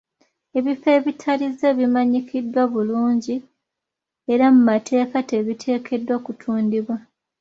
Ebifo ebitalize bimanyikiddwa bulungi era mu mateeka tebiteekeddwa kutundibwa.